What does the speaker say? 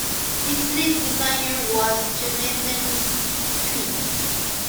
Its lead designer was Jonathan Tweet.